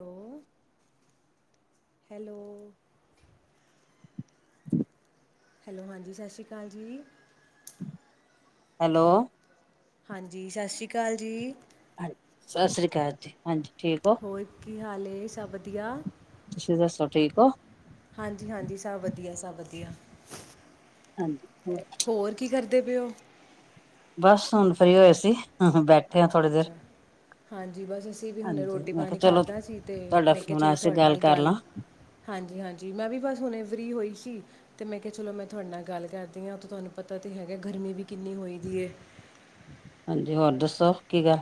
ਹੋਰ hello. [unintelligible] Hello, ਹਾਂਜੀ ਸਸ਼੍ਰੀ ਕਾਲ ਜੀ। ਹੈਲੋ। ਹਾਂਜੀ, ਸਸ਼੍ਰੀ ਕਾਲ ਜੀ। ਹਾਂ, ਸਸ੍ਰੀ ਕਾਲ ਜੀ ਹਾਂਜੀ ਠੀਕ ਹੋ। ਹੋਰ ਕੀ ਹਾਲ ਏ ਸਭ ਵਧਿ ਤੁਸੀਂ ਦੱਸੋ, ਠੀਕ ਹੋ? ਹਾਂਜੀ-ਹਾਂਜੀ, ਸਭ ਵਧੀਆ-ਸਭ ਵਧੀਆ। ਹਾਂਜੀ, ਹੋਰ? ਹੋਰ ਕੀ ਕਰਦੇ ਪਏਓ? ਬਾਸ, ਹੁਣ ਫ੍ਰੀ ਹੋਏ ਸੀ, ਬੈਠੇ ਹ ਅੱਛਾ ਥੋੜ੍ਹੀ ਦੇਰ। ਅੱਛਾ ਹਾਂਜੀ, ਬਸ ਅਸੀਂ ਵੀ ਹੁਣੇ ਹਾਂਜੀ ਮੈਂ ਕਿਹਾ ਰੋਟੀ-ਪਾਣੀ ਚਲੋ ਖਾਧਾ ਸੀ ਤੇ ਤੁਹਾਡਾ ਮੈਂ ਕੇਹਾ, ਫੋਨ ਆਇਆ ਚਲੋ ਸੀ ਤੁਹਾਡੇ ਨਾਲ ਕਰ ਗੱਲ ਲਾਂ ਹਾਂਜੀ-ਹਾਂਜੀ, ਮੈਂ ਵੀ ਬਸ ਹੁਣੇ ਫ੍ਰੀ ਹੋਈ ਸੀ। ਤੇ ਮੈਂ ਕੇਹਾ, ਚਲੋ ਮੈਂ ਤੁਹਾਡੇ ਨਾਲ ਗੱਲ ਕਰਦੀ ਆ ਉ ਤੇ ਤੁਹਾਨੂੰ ਪਤਾ ਤੇ ਹੈਗਾ, ਗਰਮੀ ਵੀ ਕਿੰਨੀ ਹੋਈ ਦੀ ਏ। ਹਾਂਜੀ, ਹੋਰ ਦੱਸੋ, ਕੀ ਗੱਲ?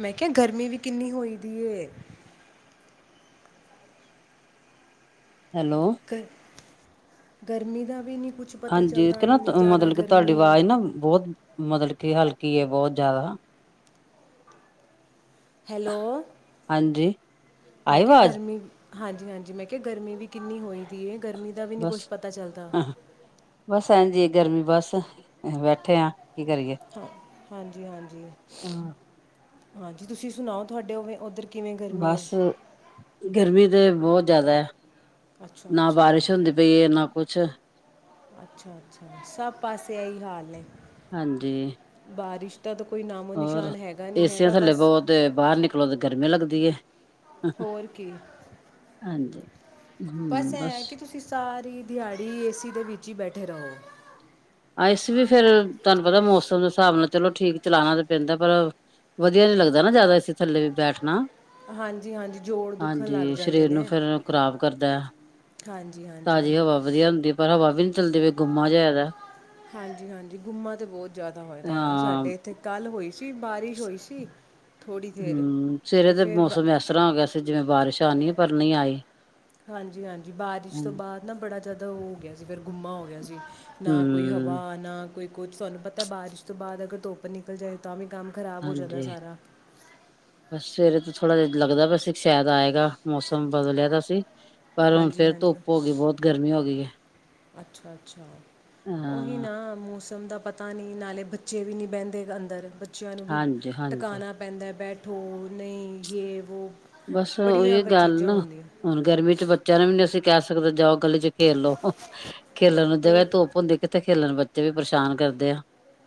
ਮੈਂ ਕੇਆ, ਗਰਮੀ ਵੀ ਕਿੰਨੀ ਹੋਈ ਦੀ ਏ। ਹੈਲੋ। ਗ, ਗਰਮੀ ਦਾ ਵੀ ਨਹੀਂ ਕੁ ਹਾਂਜੀ, ਏਕ ਨਾ ਮਤਲਬ ਕਿ ਤੁਹਾਡੀ ਹੈ ਆਵਾਜ਼ ਨਾ ਬਹੁਤ ਮਤਲਬ ਕਿ ਹਲਕੀ ਏ, ਬੋਤ ਜਿਆਦਾ। ਹੈਲੋ। ਹਾਂਜੀ। ਮੈਂ ਆਈ ਕੇਆ, ਆਵਾਜ਼ ਗਰਮੀ ਹਾਂਜੀ-ਹਾਂਜੀ, ਮੈਂ ਕੇਆ ਗਰਮੀ ਵੀ ਕਿੰਨੀ ਹੋਈ ਦੀ ਏ, ਗਰਮੀ ਦਾ ਵੀ ਨਹੀਂ ਬਸ, ਕੁਛ ਪਤਾ ਚੱਲਦਾ ਅਹ ਬਸ ਐਜ ਈ ਏ ਗਰਮੀ ਬਸ ਬੈਠੇ ਆਂ, ਕੀ ਕਰੀਏ? ਹਾਂ ਹਾਂਜੀ ਹਾਂਜੀ ਹਾਂਜੀ, ਤੁਸੀਂ ਸੁਣਾਓ ਤੁਹਾਡੇ ਓਵੇਂ ਓਧਰ ਬਸ ਗਰਮੀ ਤੇ ਬੋਤ ਜ਼ਾਦਾ। ਅੱਛਾ ਨਾ ਅੱਛਾ ਬਾਰਿਸ਼ ਹੁੰਦੀ ਪਈ ਏ, ਨਾ ਕੁਛ। ਅੱਛਾ-ਅੱਛਾ ਸਭ ਪਾਸੇ ਐ ਈ ਹਾਲ ਨੇ। ਹਾਂਜੀ ਬਾਰਿਸ਼ ਦਾ ਤਾਂ ਕੋਈ ਹੋਰ ਨਾਮੋ-ਨਿਸ਼ਾਨ ਹੈਗਾ ਨੀ, ਏਸੀਆਂ ਹੈਗਾ ਥੱਲੇ ਬਸ। ਬੋ ਤੇ ਬਾਰ ਨਿਕਲੋ ਤੇ ਗਰਮੀ ਲੱਗਦੀ ਏ। ਹੋਰ ਕੀ ਹਾਂਜੀ। ਬਸ ਐ ਐ ਕੀ ਤੁਸੀਂ ਸਾਰੀ ਦਿਹਾੜੀ ਏ ਸੀ ਦੇ ਵਿੱਚ ਈ ਬੈਠੇ ਰਵੋ। ਆ ਏ ਸੀ ਵੀ ਫੇਰ ਤਾਨੂੰ ਪਤਾ ਮੌਸਮ ਦੇ ਸਾਬ ਨਾਲ ਚਲੋ ਠੀਕ ਚਲਾਣਾ ਤੇ ਪੈਂਦਾ। ਪਰ ਵਧੀਆ ਨੀ ਲੱਗਦਾ ਨਾ, ਜ਼ਾਦਾ ਏ ਸੀ ਥੱਲੇ ਵੀ ਬੈਠਣਾ। ਹਾਂਜੀ-ਹਾਂਜੀ ਜੋੜ ਦੁਖਣ ਲੱਗ ਹਾਂਜੀ ਜਾਂਦੇ ਸਰੀਰ ਨੂੰ ਨੇ। ਫੇਰ ਹਾਂਜੀ-ਹਾਂਜੀ। ਤਾਜੀ ਹਵਾ ਵਧੀਆ ਹੁੰਦੀ, ਪਰ ਹਵਾ ਵੀ ਨੀ ਚੱਲਦੀ ਪਈ, ਗੁੰਮਾ ਜਿਆ ਹੋਇਆ ਦਾ। ਹਾਂਜੀ-ਹਾਂਜੀ ਗੁੰਮਾ ਤੇ ਬੋਤ ਜਾਦਾ ਹੋਏ ਦਾ, ਆ ਹਾਂ ਸਾਡੇ ਏਥੇ ਕਲ੍ਹ ਹੋਈ ਸੀ ਬਾਰਿਸ਼, ਹੋਈ ਸੀ। ਥੋੜ੍ਹੀ ਦੇਰ ਹੂੰਅ ਸਵੇਰੇ ਅਤੇ ਤੇ ਫਿਰ ਬ ਮੌਸਮ ਐਸਰ੍ਹਾਂ ਹੋ ਗਿਆ ਸੀ। ਜਿਵੇਂ ਬਾਰਿਸ਼ ਆਣੀ ਏ, ਪਰ ਨਈ ਆਈ। ਹਾਂਜੀ-ਹਾਂਜੀ ਬਾਰਿਸ਼ ਤੋਂ ਬਾਦ ਨਾ ਬੜਾ ਜਾਦਾ ਓ ਗਿਆ ਸੀ, ਫੇਰ ਗੁੰਮਾ ਹੋ ਗਿਆ ਸੀ। ਨਾ ਕੋਈ ਹੂੰ ਹਵਾ, ਨਾ ਕੋਈ ਕੂਛ ਤੁਆਨੂੰ ਪਤਾ, ਬਾਰਿਸ਼ ਤੋਂ ਬਾਦ ਅਗਰ ਧੁੱਪ ਨਿਕਲ ਜਾਏ ਤਾਂ ਵੀ ਕੰਮ ਖਰਾਬ ਹੋ ਜਾਂਦਾ ਹਾਂਜੀ ਸਾਰਾ। [inaudible] ਬਸ ਸਵੇਰੇ ਤੋਂ ਥੋੜ੍ਹਾ ਜਿਆ ਲੱਗਦਾ ਪਿਆ ਸੀ, ਸੈ਼ਦ ਆਏਗਾ। ਮੌਸਮ ਬਦਲਿਆ ਦਾ ਸੀ। ਪਰ ਹੁਣ ਹਾਂਜੀ ਫੇਰ ਧੁੱਪ ਹਾਂਜੀ ਹੋ ਗੀ, ਬੋਤ ਗਰਮੀ ਹੋ ਗੀ ਏ। ਅੱਛਾ-ਅੱਛਾ, ਓਹੀ ਹਾਂ ਨਾ ਮੌਸਮ ਦਾ ਪਤਾ ਪਾਣੀ ਨਾਲੇ ਬੱਚੇ ਵੀ ਨੀ ਬੈਂਦੇ ਅੰਦਰ, ਬੱਚਿਆਂ ਨੂੰ ਵੀ ਹਾਂਜੀ ਹਾਂਜੀ। ਟਕਾਣਾ ਪੈਂਦਾ ਬੈਠੋ ਨਈ, ਯੇ ਵੋ। ਬਾਸ, ਬੜੀਆਂ ਓਈਓ ਕੁ ਗਲ ਚੀਜ਼ਾਂ ਨਾ। ਹੁੰਦੀਆਂ ਹੁਣ ਗਰਮੀ 'ਚ ਬੱਚਿਆਂ ਨੂੰ ਵੀ ਨੀ ਅਸੀਂ ਕੈ ਸਕਦੇ, ਜਾਓ ਗਲੀ 'ਚ ਖੇਲ ਲੋ। ਹ, ਖੇਲਣ ਨੂੰ ਜਗਾ ਹੋਰ ਤੇ ਧੁੱਪ ਹੁੰਦੀ। ਕਿੱਥੇ ਖੇਲਣ ਬੱਚੇ ਵੀ ਪਰਸ਼ਾਨ ਕਰਦੇ ਆ।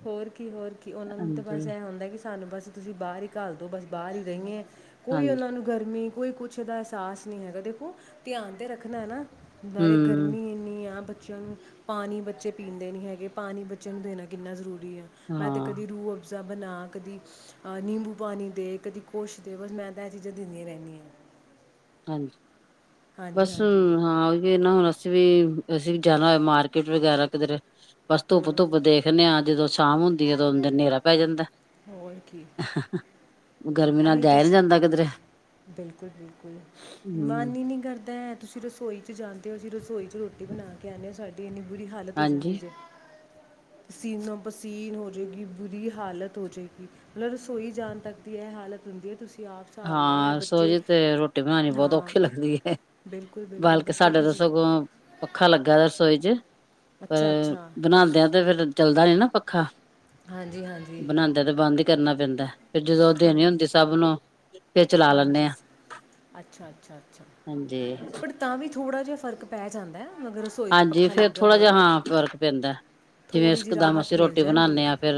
ਹੋਰ ਕੀ ਹੋਰ ਕੀ ਓਨਾਂ ਨੂੰ ਤੇ ਹਾਂਜੀ ਬਸ ਐ ਹੁੰਦਾ ਕੀ ਸਾਨੂੰ ਬਸ ਤੁਸੀਂ ਬਾਰ ਈ ਘਲ ਦੋ, ਬਸ ਬਾਰ ਈ ਰ‌ਈਏ। ਕੋਈ ਹਾਂਜੀ। ਓਨਾਂ ਨੂੰ ਗਰਮੀ ਕੋਈ ਕੁਛਦਾ ਐਸਾਸ ਨੀ ਹੈਗਾ ਦੇਖੋ ਧਿਆਨ ਤੇ ਰੱਖਣਾ ਏ ਨਾ। ਬਾਰੇ ਹੂੰ ਗਰਮੀ ਏਨੀ ਆ ਬੱਚਿਆਂ ਨੂੰ ਪਾਣੀ ਬੱਚੇ ਪੀਂਦੇ ਨੀ ਹੈਗੇ, ਪਾਣੀ ਬੱਚਿਆਂ ਨੂੰ ਦੇਣਾ ਕਿੰਨਾ ਜ਼ਰੂਰੀ ਆ। ਮੈਂ ਤੇ ਹਾਂ ਕਦੀ ਰੂ ਅ ਫਜਾ ਬਣਾ, ਕਦੀ ਆ ਨਿੰਬੂ ਪਾਣੀ ਦੇ, ਕਦੀ ਕੁਛ ਦੇ। ਬਸ ਮੈਂ ਤਾਂ ਏ ਚੀਜ਼ਾਂ ਦਿੰਨੀ ਰੈਣੀ ਆ। ਹਾਂਜੀ ਹਾਂਜੀ ਬਸ ਹਾਂਜੀ ਹਾਂ ਓਈ ਓ ਨਾ ਅਸੀਂ ਵੀ ਅਸੀਂ ਵੀ ਜਾਣਾ ਹੋਏ ਮਾਰਕੀਟ ਵਗੈਰਾ ਕਿਧਰੇ ਬਸ ਧੁੱਪ ਹੂੰ ਧੁੱਪ ਦੇਖਨੇ ਆਂ ਜਦੋਂ ਅ ਤਾਮ ਹੁੰਦੀ ਏ ਤੇ ਓਨੀ ਦੇਰ ਨੇਰਾ ਪੈ ਜਾਂਦਾ। ਹੋਰ ਕੀ। ਗਰਮੀ ਨਾਲ ਜਾਇਆ ਨੀ ਜਾਂਦਾ ਕਿਧਰੇ। ਬਿਲਕੁਲ-ਬਿਲਕੁਲ ਮਨ ਹੂੰ ਈ ਨੀ ਕਰਦਾ ਐ ਤੁਸੀਂ ਦੱਸੋ ਰਸੋਈ 'ਚ ਜਾਂਦੇ ਓ, ਜੀ ਰਸੋਈ 'ਚ ਰੋਟੀ ਬਣਾ ਕੇ ਆਨੇ ਆ, ਸਾਡੀ ਏਨੀ ਬੁਰੀ ਹਾਲਤ ਹੋ ਜਾਂਦੀ ਹਾਂਜੀ ਜੇ। ਪਸੀਨੋ-ਪਸੀਨ ਹੋ ਜੇ ਗੀ, ਬੁਰੀ ਹਾਲਤ ਹੋ ਜੇ ਗੀ। ਮਲਬ ਰਸੋਈ ਜਾਣ ਤੱਕ ਵੀ ਐ ਹਾਲਤ ਹੁੰਦੀ ਏ ਤੁਸੀਂ ਆਪ ਹਿਸਾਬ ਲਾਓ ਜਿਹੜੇ ਹਾਂ ਬੱਚੇ ਰਸੋਈ 'ਚ ਤੇ ਰੋਟੀ ਬਣਾਨੀ ਬਹੁਤ ਹਾਂ ਔਖੀ ਲੱਗਦੀ ਏ। ਬਿਲਕੁਲ ਬਿਲਕੁਲ ਬਲਕਿ ਬੱਚੇ ਸਾਡਾ ਤੇ ਜੀ ਸਗੋਂ ਪੱਖਾ ਲੱਗਾ ਐ ਰਸੋਈ 'ਚ। ਅੱਛਾ ਅ ਅੱਛਾ ਬਣਾਦਿਆਂ ਤੇ ਫੇਰ ਚਲਦਾ ਨੀ ਨਾ ਪੱਖਾ। ਹਾਂਜੀ-ਹਾਂਜੀ। ਤਾਂ ਤੇ ਬੰਦ ਈ ਕਰਨਾ ਪੈਂਦਾ ਫੇਰ ਜਦੋਂ ਓ ਹਾਂ ਦੇਣੀ ਹੁੰਦੀ ਸਭ ਨੂੰ ਫੇਰ ਚਲਾ ਲੈਂਦੇ ਹਾਂਜੀ ਹਾਂ ਅੱਛਾ-ਅੱਛਾ-ਅੱਛਾ ਹਾਂਜੀ ਪੜ੍ ਤਾਂ ਵੀ ਥੋੜ੍ਹਾ ਜਾ ਫਰਕ ਪੈ ਜਾਂਦੈ ਮਗਰ ਉਸ ਹਾਂਜੀ ਫੇਰ ਥੋੜਾ ਜਾ ਹਾ ਫ਼ਰਕ ਪੈਂਦਾ ਜਿਵੇਂ ਥੋੜ੍ਹੀ ਜਿਹੀ ਇਕਸਦਮ ਰਾਹਤ ਅਸੀਂ ਮਿਲ ਰੋਟੀ ਜਾਂਦੀ ਬਣਾਨੇ ਹੈ ਆ ਫੇਰ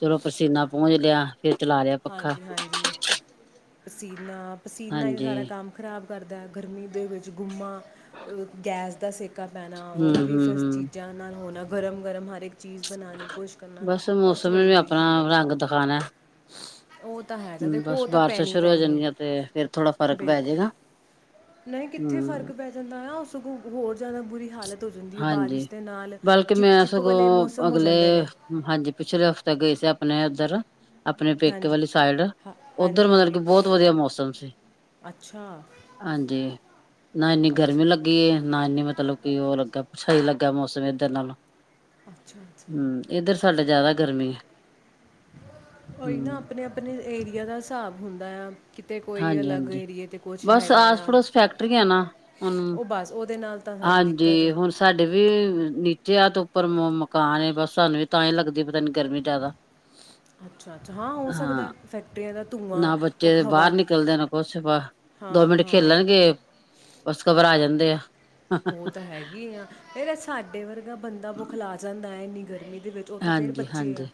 ਚਲੋ ਪਸੀਨਾ ਪੁੰਜ ਲਿਆ ਫੇਰ ਚਲਾ ਲਿਆ ਪੱਖਾ ਹਾਂਜੀ-ਹਾਂਜੀ ਪਸੀਨਾ-ਪਸੀਨਾ ਈ ਹਾਂਜੀ ਸਾਰਾ ਕੰਮ ਖ਼ਰਾਬ ਕਰਦਾ ਗਰਮੀ ਦੇ ਵਿੱਚ ਗੁੰਮਾ ਅ ਗੈਸ ਦਾ ਸਿੱ ਕਾ ਪੈਣਾ ਓ ਹੂੰ ਵੀ ਹੂੰ ਫਿਰ ਹੂੰ ਚੀਜ਼ਾਂ ਨਾਲ ਹੋਣਾ ਗਰਮ-ਗਰਮ ਹਰ ਇੱਕ ਚੀਜ਼ ਬਣਾਨੀ ਕੁਸ਼ ਕਰਨਾ ਬਸ ਓ ਚ ਮੌਸਮ ਨੇ ਬੜੀ ਵੀ ਬੁਰੀ ਆਪਣਾ ਹਾਲਤ [unintelligible] ਓ ਤਾਂ ਹੈਗਾ ਹੂੰ, ਦੇਖੋ ਬਸ ਓ ਤਾਂ ਬਾਰਿਸ਼ਾਂ ਸ਼ੁਰੂ ਹੋ ਪੈਣੀ-ਪੈਣੀ ਈ ਐ ਜਾਣਗੀਆਂ ਤੇ ਫੇਰ ਥੋੜਾ ਫ਼ਰਕ ਪੈ ਬਿਲਕੁਲ। ਜਾਏਗਾ ਨਈ ਕਿੱਥੇ ਫ਼ਰਕ ਹੂੰ, ਪੈ ਜਾਂਦਾ ਆ ਸਗੋਂ ਹੋਰ ਜਾਦਾ ਬੁਰੀ ਹਾਲ ਤ ਹੋ ਜਾਂਦੀ ਐ ਹਾਂਜੀ। ਬਾਰਿਸ਼ ਦੇ ਨਾਲ ਬਲਕਿ ਚਿਪ- ਮੈਂ ਚਿਪ ਵਾਲੇ ਸਗੋਂ ਮੌਸਮ ਹੋ ਅਗਲੇ ਜਾਂਦੇ ਨੇ। ਹਾਂਜੀ ਪਿਛਲੇ ਹਫ਼ਤੇ ਗਈ ਸੀ ਆਪਣੇ ਓਧਰ ਆਪਣੇ ਪੇਕੇ ਹਾਂਜੀ ਵਾਲੀ ਸਾਈਡ ਹਾਂ ਉੱਧਰ ਹਾਂਜੀ ਮਤਲਬ ਕੀ ਹਾਂਜੀ ਬੋਤ ਵਧੀਆ ਮੌਸਮ ਸੀ। ਅੱਛਾ। ਹਾਂਜੀ ਨਾ ਐਨੀ ਗਰਮੀ ਅੱਛਾ ਲੱ ਗੀ ਏ ਨਾ ਐਨੀ ਮਤਲਬ ਕੀ ਓ ਲੱਗਾ ਸਈ ਲੱਗਾ ਮੌਸਮ ਏਧਰ ਨਾਲੋਂ ਅੱਛਾ-ਅੱਛਾ। ਏਧਰ ਸਾਡਾ ਜਾਦਾ ਗਰਮੀ ਐ। ਓਈ ਨਾ ਆਪਣੇ-ਆਪਣੇ ਏਰੀਆ ਦਾ ਹਿਸਾਬ ਹੁੰਦਾ ਆ। ਕਿਤੇ ਕੋਈ ਅਲੱਗ ਹਾਂਜੀ-ਹਾਂਜੀ। ਏਰੀਏ ਤੇ ਕੁਛ ਬਸ ਹੈਗਾ ਆਸ ਆ ਪੜੋਸ ਫੈਕਟਰੀਆਂ ਨਾ ਹੁਣ ਓ ਬਸ ਓਦੇ ਨਾਲ ਤਾਂ ਸਾਰੀ ਦਿੱਕਤ ਏ। ਹਾਂਜੀ ਹੁਣ ਸਾਡੇ ਵੀ ਨੀਚੇ ਆ ਤ ਉੱਪਰ ਮ ਮਕਾਨ ਏ ਬਸ ਸਾਨੂੰ ਵੀ ਤਾਂ ਈ ਲੱਗਦੀ ਨ ਗਰਮੀ ਜਾਦਾ। ਅੱਛਾ-ਅੱਛਾ ਹਾਂ ਹੋ ਸਕਦੈ ਫੈਕਟਰੀਆਂ ਦਾ ਧੂੰਆਂ ਨਾ ਓ ਬੱਚੇ ਹਵਾ ਬਾਹਰ ਨਿਕਲਦੇ ਨੇ ਕੁਛ ਵਾ ਹਾਂ ਦੋ ਮਿੰਟ ਹਾਂ ਖੇਲਣਗੇ ਬਸ ਘਬਰਾ ਜਾਂਦੇ ਆ। ਓ ਤਾਂ ਹੈਗੀ ਆ ਫੇਰ ਸਾਡੇ ਵਰਗਾ ਬੰਦਾ ਬੁਖਲਾ ਜਾਂਦਾ ਐ ਏਨੀ ਗਰਮੀ ਦੇ ਵਿੱਚ ਓ ਤਾਂ ਫੇਰ ਹਾਂਜੀ ਬੱਚੇ ਹਾਂਜੀ ਆ।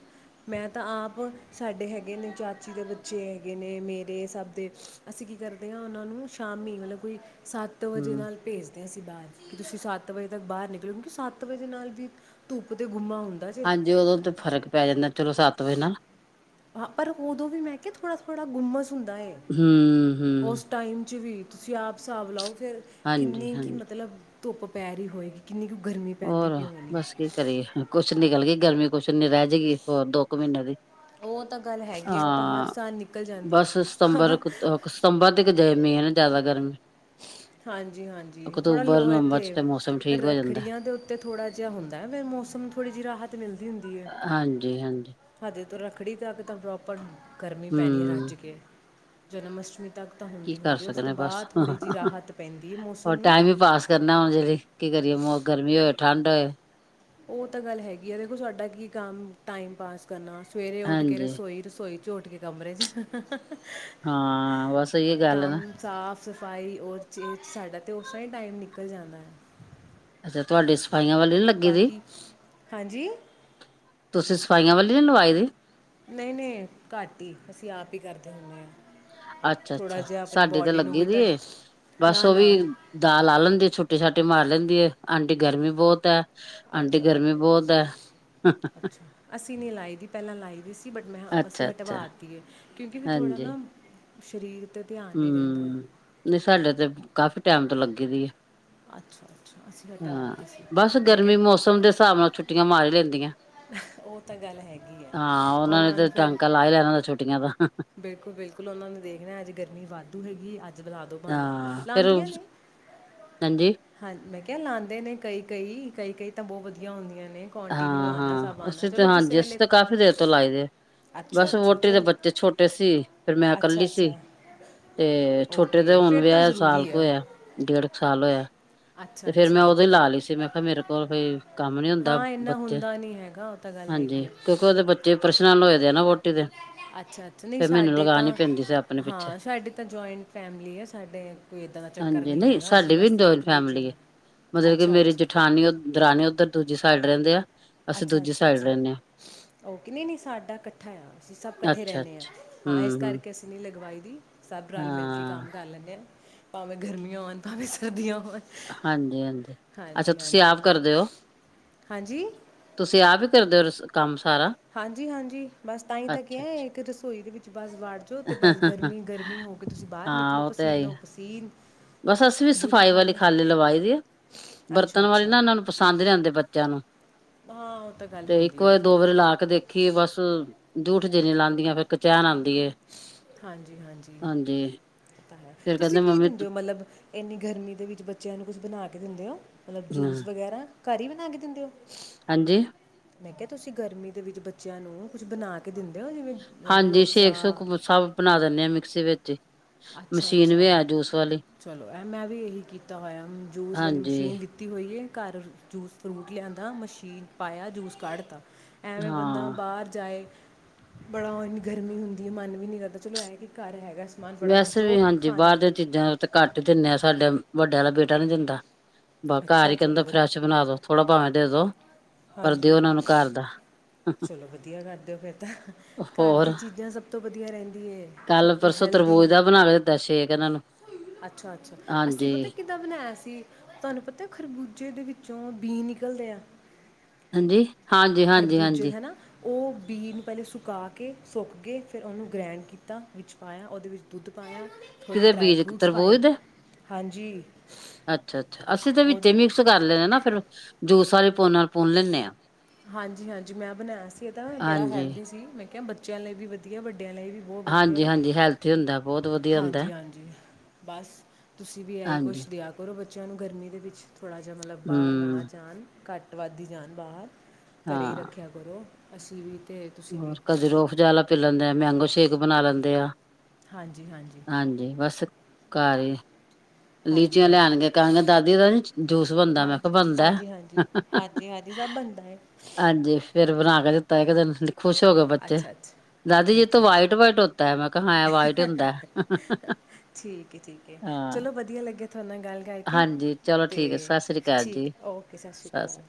ਮੈਂ ਤਾਂ ਆਪ ਸਾਡੇ ਹੈਗੇ ਨੇ ਚਾਚੀ ਦੇ ਬੱਚੇ ਹੈਗੇ ਨੇ ਮੇਰੇ ਸਭ ਦੇ ਅਸੀਂ ਕੀ ਕਰਦੇ ਆ ਓਨਾਂ ਨੂੰ ਸ਼ਾਮੀ ਮਤਲਬ ਕੋਈ ਸੱਤ ਵਜੇ ਹਮ ਨਾਲ ਭੇਜਦੇ ਆ ਅਸੀਂ [unintelligible] ਕੀ ਤੁਸੀਂ ਸੱਤ ਵਜੇ ਤੱਕ ਬਾਰ ਨਿਕਲੋ ਕਿਉਂਕਿ ਸੱਤ ਵਜੇ ਨਾਲ ਵੀ ਧੁੱਪ ਤੇ ਗੁੰਮਾ ਹੁੰਦਾ। ਜੇ ਹਾਂਜੀ ਉਦੋਂ ਤੇ ਫ਼ਰਕ ਪੈ ਜਾਂਦਾ ਚਲੋ ਸੱਤ ਵਜੇ ਨਾਲ। ਹਾਂ ਪਰ ਓਦੋਂ ਵੀ ਮੈਂ ਕਿਆ ਥੋੜਾ-ਥੋੜ੍ਹਾ ਗੁੰਮਸ ਹੁੰਦਾ ਏ ਹਮ ਹਮ ਓਸ ਟਾਈਮ ਚ ਵੀ ਤੁਸੀਂ ਆਪ ਹਿਸਾਬ ਲਾਓ ਫਿਰ ਹਾਂਜੀ ਕਿੰਨੀ ਕੀ ਹਾਂਜੀ ਮਤਲਬ ਧੁੱਪ ਪੈ ਰੀ ਹੋਏਗੀ। ਕਿੰਨੀ ਕ ਗਰਮੀ ਪੈਂਦੀ ਹੋਰ ਪੀ ਹੋਣੀ। ਬਸ ਕੀ ਕਰੀਏ ਕੁਛ ਨਿਕਲ ਗਈ ਗਰਮੀ ਕੁਛ ਨੀ ਰੈ ਜੇਗੀ ਹੋਰ ਦੋ ਕ ਮੀਨੇ ਦੀ। ਓ ਤਾਂ ਗੱਲ ਹੈਗੀ ਆ ਓ ਤਾਂ ਹਰ ਹਾਂ ਸਾਲ ਨਿਕਲ ਜਾਂਦੀ ਬਸ ਸਤੰਬਰ ਐ। ਅਕ ਸਤੰਬਰ ਤਕ [unintelligible] ਜਾਦਾ ਗਰਮੀ। ਹਾਂਜੀ-ਹਾਂਜੀ ਥੋੜ੍ਹਾ ਅਕਤੂਬਰ ਲੋਅ ਨਵੰਬਰ ਚ ਇੱਥੇ ਤੇ ਮੌਸਮ ਠੀਕ ਹੋ ਜਾਂਦਾ ਰੱਖੜੀਆਂ ਦੋ ਤੇ ਥੋੜ੍ਹਾ ਜਿਆ ਹੁੰਦੈ ਫਿਰ ਮੌਸਮ ਥੋੜ੍ਹੀ ਜੀ ਰਾਹਤ ਮਿਲਦੀ ਹੁੰਦੀ ਐ। ਹਾਂਜੀ ਹਾਂਜੀ ਹਜੇ ਤੋਂ ਰੱਖੜੀ ਤਕ ਤਾਂ ਪ੍ਰੋਪਰ ਗਰਮੀ ਪੈਣੀ ਆ ਹਮ ਰੱਜ ਕੇ ਜਨਮ ਅਸ਼ਟਮੀ ਕਤ ਤਾਂ ਕੀ ਕਰ ਹੁੰਦੀ-ਹੁੰਦੀ ਉਸ ਤੋਂ ਸਕਦੇ ਬਸ ਬਾਦ ਥੋੜ੍ਹੀ ਜੀ ਰਾਹਤ ਪੈਂਦੀ ਆਓ ਮੌਸਮ ਨੂੰ। ਲਿਬਾਸ ਕਰਨਾ ਉਦੇ ਲਈ, ਕੀ ਕਰੀਏ ਗਰਮੀ ਹੋਏ ਠੰਡ ਹੋਏ ਉਹ ਤਾਂ ਗੱਲ ਹੈਗੀ ਏ, ਦੇਖੋ ਸਾਡਾ ਕੀ ਕੰਮ ਟਾਈਮ ਪਾਸ ਕਰਨਾ, ਸਵੇਰੇ ਉੱਠ ਕੇ ਹਾਂਜੀ ਰਸੋਈ- ਰਸੋਈ ਚਝੋ ਉੱਠ ਕੇ, ਕਮਰੇ 'ਚ ਹਾਂ ਬਸ ਇਹ ਗੱਲ ਕੰਮ ਨਾ ਸਾਫ ਸਫ਼ਾਈ ਉਹ ਚੇ, ਸਾਡਾ ਤਾਂ ਉਸ ਤਰ੍ਹਾਂ ਹੀ ਟਾਈਮ, ਨਿਕਲ ਜਾਣਾ ਅੱਛਾ, ਤੁਹਾਡੇ ਸਫਾਈਆਂ ਵਾਲੀ? ਨੀ ਲੱਗੀ ਦੀ ਬਾਕੀ ਹਾਂਜੀ ਤੁਸੀਂ, ਸਫਾਈਆਂ ਵਾਲੀ ਨਹੀ ਲਵਾਈ ਦੀ? ਨਹੀਂ -ਨਹੀਂ ਘੱਟ ਈ, ਅਸੀਂ ਆਪ ਹੀ ਕਰਦੇ ਆ ਹਾਂ ਥੋੜ੍ਹਾ ਅੱਛਾ-ਅੱਛਾ ਜਿਹਾ ਆਪਣੀ ਸਾਡੇ ਤੇ ਬਾਡੀ ਨੂੰ ਲੱਗੀ ਵੀ ਦੀ ਤਾਂ ਏ, ਬਸ ਨਾ ਉਹ ਵੀ ਨਾ ਦਾਅ ਲਾ ਲੈਂਦੀ, ਛੁੱਟੀ-ਛਾਟੀ ਮਾਰ ਲੈਂਦੀ ਏ, ਆਂਟੀ ਗਰਮੀ ਬਹੁਤ ਆਂਟੀ, ਅੱਛਾ ਗਰਮੀ ਬਹੁਤ ਐ ਅੱਛਾ ਅਸੀਂ ਨਹੀਂ ਲਾਈ ਦੀ, ਪਹਿਲਾਂ ਲਾਈ ਦੀ ਸੀ। ਬਟ ਮੈਂ ਅਸੀਂ ਅੱਛਾ ਅੱਛਾ ਹਟਵਾਤੀਏ ਕਿਉਂਕਿ, ਵੀ ਥੋੜਾ ਹਾਂਜੀ ਨਾ, ਸਰੀਰ ਤੇ ਧਿਆਨ ਨਹੀਂ ਰਹਿੰਦਾ ਆ ਹੂੰ, ਨਹੀਂ ਸਾਡੇ ਤੇ ਕਾਫੀ ਟਾਈਮ ਤੋਂ, ਲੱਗੀ ਦੀ ਏ ਅੱਛਾ ਅੱਛਾ ਅਸੀਂ ਹਾਂ, ਹਟਾਤੀ ਸੀ ਬਸ ਮੈਂ ਗਰਮੀ ਕਿਹਾ ਮੌਸਮ ਦੇ ਹਿਸਾਬ ਨਾਲ, ਛੁੱਟੀਆਂ ਮਾਰ ਲੈਂਦੀਆਂ ਉਹ ਤਾਂ ਗੱਲ ਹੈਗੀ ਆ ਹਾਂ, ਉਹਨਾਂ ਨੇ ਤੇ ਟਾਂਕਾ ਲਾ ਲੈਣਾ, ਛੁੱਟੀਆਂ ਦਾ ਬਿਲਕੁਲ-ਬਿਲਕੁਲ ਉਹਨਾਂ ਨੇ ਦੇਖਣਾ, ਅੱਜ ਗਰਮੀ, ਵਾਧੂ ਹੈਗੀ ਅੱਜ ਜਦੋਂ ਲਾਦੋ ਬਾਨਾ, ਹਾਂ ਫੇਰ ਲਾਦੀਆਂ ਨੇ ਹਾਂਜੀ। ਹਾਂ, ਮੈਂ ਕਿਹਾ ਲਾਉਂਦੇ ਨੇ, ਕਈ-ਕਈ, ਕਈ-ਕਈ, ਮੋਮਬੱਤੀਆਂ ਹੁੰਦੀਆਂ ਨੇ ਕੰਟੀਨਿਊ ਆਣਾ ਹਾਂ-ਹਾਂ ਸਭ ਆਣਾ ਅ ਤੇ ਚਲੋ ਕਿਸੇ ਹਾਂਜੀ, ਅਸੀਂ ਵੇਲੇ ਤਾਂ ਕਾਫ਼ੀ ਦੇਰ ਤੋਂ ਲਾਈ ਦੇ ਆ ਅੱਛਾ ਬਸ, ਅੱਛਾ ਵੋਹਟੀ ਦੇ ਚਲੋ ਬੱਚੇ ਛੋਟੇ ਸੀ। ਫੇਰ ਮੈਂ ਇਕੱਲੀ ਅੱਛਾ ਸੀ। ਅੱਛਾ ਤੇ ਛੋਟੇ ਤੇ ਓਕੇ ਹੁਣ ਫਿਰ ਤਾਂ ਵਿਆਹ ਸਾਲ ਜ਼ਰੂਰੀ ਕੁ ਆ ਹੋਇਆ, ਡੇਢ ਕੁ ਸਾਲ ਹੋਇਆ ਤੇ ਅੱਛਾ ਫੇਰ ਮੈਂ ਅੱਛਾ ਉਦੌ ਹੀ ਲਾ ਲਈ ਸੀ। ਮੈਂ ਕਿਹਾ ਮੇਰੇ ਕੋਲ ਕੋਈ ਕੰਮ ਨਈ ਹੁੰਦਾ ਹਾਂ ਇੰਨਾ ਹੁੰਦਾ ਨਈ ਹੈਗਾ, ਉਹ ਤਾਂ ਗੱਲ ਹੈਗੀ ਏ ਦੇਖੋ ਉਹਦੇ ਬੱਚੇ, ਪ੍ਰੇਸ਼ਨ ਨਾਲ ਹੋਏ ਦੇ ਆ ਨਾ, ਵੋਹਟੀ ਦੇ ਅੱਛਾ-ਅੱਛਾ ਨਹੀਂ ਫੇਰ ਮੈਨੂੰ ਸਾਡੇ ਲਗਾਣੀ ਤਾਂ ਪੈਂਦੀ ਸੀ ਆਪਣੇ ਪਿੱਛੇ ਹਾਂ, ਸਾਡੇ ਤਾਂ ਜੁਆਇੰਟ, ਫੈਮਿਲੀ ਆ ਸਾਡੇ ਕੋਈ ਏਦਾਂ ਦਾ ਚੱਕਰ ਹਾਂਜੀ ਨਹੀਂ ਹੈਗਾ, ਅਸੀਂ ਸਾਡੀ ਵੀ ਬਸ ਜੁਆਇੰਟ ਇੱਕ ਦੂਜੇ ਫੈਮਿਲੀ ਏ ਨਾਲ ਮਤਲਬ ਕਿ, ਅੱਛਾ ਮੇਰੀ ਅੱਛਾ ਜੇਠਾਨੀ-ਦਰਾਨੀ ਉੱਧਰ, ਦੂਜੀ ਸਾਈਡ ਰਹਿੰਦੇ ਆ ਅਸੀਂ ਦੂਜੀ ਅੱਛਾ-ਅੱਛਾ, ਸਾਈਡ ਅੱਛਾ ਰਹਿੰਦੇ ਉਹ ਕਹਿ ਨੀ, ਸਾਡਾ ਇਕੱਠਾ ਆ, ਅਸੀਂ ਸਭ ਹਾਂ ਇਕੱਠੇ ਅੱਛਾ ਰਹਿੰਦੇ ਅੱਛਾ ਹਾਂ, ਇਸ ਹਮ ਹਮ ਕਰਕੇ ਅਸੀਂ ਨਈ ਲਗਵਾਈ ਦੀ ਸਭ ਰਲ- ਮਿਲ ਕੇ ਹਾਂ ਕੰਮ ਕਰ ਲੈਂਦੇ ਆ, ਭਾਵੇਂ ਗਰਮੀਆਂ ਹੋਣ, ਭਾਵੇਂ ਸਰਦੀਆਂ ਹੋਣ ਹਾਂਜੀ-ਹਾਂਜੀ ਅੱਛਾ ਹਾਂਜੀ ਤੁਸੀਂ, ਹਾਂਜੀ ਆਪ ਕਰਦੇ ਹੋ ਹਾਂਜੀ ਤੁਸੀਂ, ਆਪ ਵੀ ਕਰਦੇ ਹੋ, ਕੰਮ ਸਾਰਾ ਹਾਂਜੀ-ਹਾਂਜੀ ਬਸ ਤਾਂਹੀ ਤਾਂ ਅੱਛਾ ਕਿਹਾ, ਇੱਕ ਰਸੋਈ ਦੇ ਵਿੱਚ ਬਸ ਵੜ ਜੋ ਤੇ ਬਸ, ਅੱਛਾ ਗਰਮੀ-ਗਰਮੀ ਹੋ ਕੇ ਤੁਸੀਂ ਬਾਹਰ ਹਾਂ ਨਿਕਲੋਗੇ, ਉਹ ਤੇ ਹੈ ਹੀ ਪਸੀਨੋ ਆ। -ਪਸੀਨ ਬਸ ਅਸੀਂ ਵੀ, ਬੁਰੀ ਸਫ਼ਾਈ ਵਾਲੀ ਖਾਲੀ ਹਾਲਤ ਲਵਾਈ ਦੇ ਅੱਛਾ ਬਰਤਣ ਵਾਲੀ ਅੱਛਾ ਨਾ, ਉਹਨਾਂ ਨੂੰ ਪਸੰਦ ਨਈ, ਆਉਂਦੇ ਬੱਚਿਆਂ ਨੂੰ ਹਾਂ ਉਹ ਤਾਂ ਗੱਲ ਤੇ, ਇੱਕ ਹੁੰਦੀ ਆ ਵਾਰੀ- ਫਿਰ ਦੋ ਵਾਰੀ ਲਾ ਕੇ ਦੇਖ ਕਿ ਏ ਬਸ, ਜੂਠ ਜਿਹੀ ਨਈ ਲਾਦੀਆਂ, ਫਿਰ ਕਚੈਣ ਆਉਂਦੀ ਏ ਹਾਂਜੀ- ਹਾਂਜੀ ਤਾਂ ਹੈ, ਫੇਰ ਤੁਸੀਂ ਕਹਿੰਦੇ ਕੀ ਮੰਮੀ ਦਿੰਦੇ ਹੋ ਮਤਲਬ? ਇੰਨੀ ਗਰਮੀ ਦੇ ਵਿੱਚ, ਬੱਚਿਆਂ ਨੂੰ ਕੁਛ ਬਣਾ ਕੇ ਦਿੰਦੇ ਹੋ, ਮਤਲਬ ਜੂਸ ਹੂੰ ਵਗੈਰਾ ਘਰ ਈ, ਬਣਾ ਕੇ ਦਿੰਦੇ ਹੋ? ਹਾਂਜੀ। ਮੈਂ ਕਿਹਾ, ਤੁਸੀਂ ਗਰਮੀ ਦੇ ਵਿੱਚ ਬੱਚਿਆਂ ਨੂੰ, ਕੁਛ ਬਣਾ ਕੇ ਦਿੰਦੇ ਹੋ, ਜਿਵੇਂ ਰੂ ਹਾਂਜੀ ਅਫਜ਼ਾ ਸ਼ੇਕ ਸ਼ੂਕ ਸਭ ਬਣਾ ਦਿੰਨੇ ਹਾਂ ਮਿਕਸੀ ਵਿੱਚ ਈ। ਅੱਛਾ- ਅੱਛਾ ਚਲੋ ਐ ਮੈਂ ਵੀ ਇਹੀ ਕੀਤਾ ਹੋਇਆ, ਜੂਸ ਵਾਲੀ ਹਾਂਜੀ ਮਸ਼ੀਨ ਲਿੱਤ ਤੀ ਹੋਈਏ ਘਰ ਜੂਸ ਫਰੂਟ ਲਿਆਂਦਾ ਮਸ਼ੀਨ ਪਾਇਆ ਜੂਸ ਕੱਢ ਦਿਤਾ। ਐਵੇਂ ਬੰਦਾ ਹਾਂ ਬਾਹਰ ਜਾਏ ਬੜਾ ੳਹ ਏਨੀ ਗਰਮੀ ਹੁੰਦੀ ਏ, ਮਨ ਵੀ ਨਹੀਂੀ ਕਰਦਾ ਚਲੋ ਐ ਕਿ ਘਰ ਹੈਗਾ ਸਮਾਨ। ਫਟਾਫਟ ਵੈਸੇ ਜੋ ਵੀ ਹਾਂਜੀ ਖਾਣਾ ਬਾਹਰ ਦੀਆਂ ਚੀਜ਼ਾਂ ਤਾਂ ਘੱਟ ਹੀ ਦਿੰਨੇ ਆਾਂ, ਸਾਡੇ ਵੱਡੇ ਵਾਲਾ ਬੇਟਾ ਨੀ ਦਿੰਦਾ। ਘਰ ਅੱਛਾ ਹੀ ਕਹਿੰਦਾ ਚਲੋ ਵਧ ਫਰੈਸ਼ ਬਣਾ ਦੋ ਥੋੜਾ ਭਾਵੇਂ ਦੇ ਦੋ, ਪਰ ਦਿਓ ਹਾਂਜੀ ਉਹਨਾਂ ਨੂੰ ਘਰ ਦਾ। ਚਲੋ ਵਧੀਆ ਕਰ ਦਿਓ ਫਿਰ ਤਾਂ, ਘਰ ਦੀ ਹੋਰ ਚੀਜ਼ਾਂ ਸਭ ਤੋਂ ਵਧੀਆ ਰਹਿੰਦੀ ਏ। ਸਭ ਕੱਲ ਤੋਂ ਪਰਸੋਂ ਹੈਲਦੀ ਤਰਬੂਜ ਦਾ ਬਣਾ ਕੇ ਦਿੱਤਾ ਸ਼ੇਕ ਇਹਨਾਂ ਨੂੰ ਅੱਛਾ, ਅੱਛਾ ਹਾਂਜੀ ਅਸੀ ਪਤਾ ਕਿ ਦਾ ਬਣਾਇਆ ਸੀ ਤੁਹਾਨੂੰ ਪਤਾ ਖਰਬੂਜੇ ਦੇ ਵਿੱਚੋਂ ਬੀ ਨਿਕਲਦੇ ਆ। ਹਾਂਜੀ, ਹਾਂਜੀ, ਹਾਂਜੀ, ਖਰਬੂਜੇ ਹਾਂਜੀ। ਹੈ ਨਾ ਉਹ ਬੀ ਨੂੰ ਪਹਿਲੇ ਸੁਕਾ ਕੇ ਸੁੱਕ ਗਏ ਫਿਰ ਉਹਨੂੰ ਗ੍ਰੈਂਡ ਕੀਤਾ ਵਿੱਚ ਪਾਇਆ ਉਹਦੇ ਵਿੱਚ ਦੁੱਧ ਪਾਇਆ ਥੋੜ੍ਹੇ ਕਿਤੇ ਡਰਾਈ ਬੀਜ ਫਰੂਟਸ ਤਰਬੋਜ ਪਾਏ ਦੇ ਹਾਂਜੀ ਅੱਛਾ, ਅੱਛਾ ਅਸੀਂ ਤੇ ਵਿੱਚ ਉਦੋਂ ਮਿਕਸ ਕਰ ਲੈਨੇ ਨਾ ਫੇਿਰ ਜੂਸ ਵਾਲੇ ਪੋਨਿ ਹਾਂਜੀ -ਹਾਂਜੀ ਮੈਂ ਬਣਾਇਆ ਸੀ ਇਹਦਾ ਬੜਾ ਹਾਂਜੀ, ਹੈਲਦੀ ਸੀ ਮੈਂ ਕ ਬੱਚਿਆਂ ਲਈ ਵੀ ਵਧੀਆ ਵੱਡਿਆਂ ਲਈ ਵੀ ਬਹੁਤ ਵਧੀਆ ਹਾਂਜੀ-ਹਾਂਜੀ ਹੈਲਥੀ ਹੁੰਦਾ ਬਹੁਤ ਵਧੀਆ ਹੁੰਦਾ ਹਾਂਜੀ- ਹਾਂਜੀ। ਬਸ ਤੁਸੀਂ ਵੀ ਇਹੀ ਹਾਂਜੀ ਕੁਛ ਦਿਆ ਦੇੳ ਬੱਚਿਆਂ ਨੂੰ ਗਰਮੀ ਦੇ ਵਿੱਚ ਥੋੜ੍ਹਾ ਜਿਹਾ, ਮਤਲਬ ਬਾਹਰ ਨਾ ਹੂੰ ਜਾਣ ਘੱਟ ਵੱਧ ਹੀ ਜਾਣ ਬਾਹਰ। ਘਰੇ ਹੀ ਹਾਂ ਰੱਖਿਆ ਕਰੁਰੋ ਅਸੀਂ ਵੀਤੇ ਹੋਰ ਕਦੇ ਰੂਹ ਅਫਜਾ ਵਾਲਾ ਪੀ ਲੈਂਦੇ ਆ ਮੈਂਗੋ ਸ਼ੇਕ ਬਣਾ ਲੈਂਦੇ ਆ। ਹਾਂਜੀ, ਬਸ ਘਰ ਹੀ। ਹਾਂਜੀ ਲੀਚੀਆਂ ਲੈ ਹਾਂਜੀ ਆਣਗੇ ਕਹਾਂਗੇ ਦਾਦੀ ਦਾ ਨੀ ਜੂਸ ਬਣਦਾ ਮੈਂ ਹਾਂਜੀ ਕਿਹਾ ਬਣਦਾ। ਹਾਂਜੀ ਹਾਂਜੀ ਹਾਂਜੀ- ਹਾਂਜੀ ਸਭ ਬਣਦਾ ਏ। ਹਾਂਜੀ, ਫੇਰ ਬਣਾ ਕੇ ਦਿੱਤਾ ਇੱਕ ਦਿਨ ਖੁਸ਼ ਹੋ ਗਏ ਬੱਚੇ ਅੱਛਾ ਅੱਛਾ ਦਾਦੀ ਅੱਛਾ ਜੀ ਇਹ ਤੇ ਅੱਛਾ ਵਾਈਟ ਅੱਛਾ ਵਾਈਟ ਹੋਤਾ ਹੈ ਮੈਂ ਕਿਹਾ ਹੈ ਵਾਈਟ ਹੀ ਹੁੰਦਾ। ਠੀਕ ਏ -ਠੀਕ ਏ ਹਾਂ ਚਲੋ ਵਧੀਆ ਲੱਗਿਆ ਤੁਹਾਡੇ ਨਾਲ ਗੱਲ ਕਰਕੇ ਹਾਂਜੀ ਚਲੋ ਤੇ ਠੀਕ ਹੈ ਸਤਿ ਸ੍ਰੀ ਅਕਾਲ ਠੀਕ ਏ ਜੀ ਓਕੇ ਸਤਿ ਸ਼੍ਰੀ ਅਕਾਲ।